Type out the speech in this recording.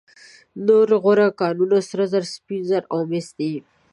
نور غوره کانونه سره زر، سپین زر او مس دي.